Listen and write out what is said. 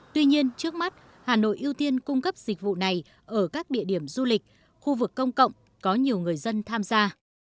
tuy nhiên trước mắt hà nội ưu tiên cung cấp dịch vụ này ở các địa điểm du lịch khu vực công cộng có nhiều người dân tham gia